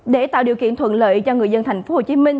để tạo điều kiện thuận lợi cho người dân tp hcm